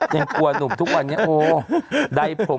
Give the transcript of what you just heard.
ยังกลัวหนุ่มทุกวันนี้โอ้ใดผม